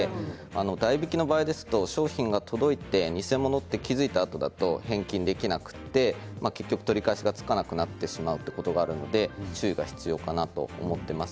代引きの場合ですと商品が届いて偽物と気付いたあとだと返金できなくて結局、取り返しがつかなくなってしまうということがあるので注意が必要かなと思っています。